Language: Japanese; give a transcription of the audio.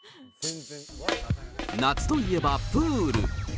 夏といえばプール。